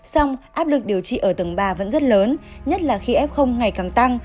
song áp lực điều trị ở tầng ba vẫn rất lớn nhất là khi f ngày càng tăng